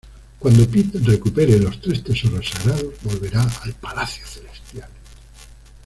Cuando Pit recupere los "Tres tesoros sagrados", volverá al "Palacio celestial".